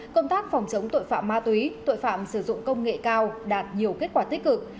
công tác phòng chống tội phạm ma túy tội phạm sử dụng công nghệ cao đạt nhiều kết quả tích cực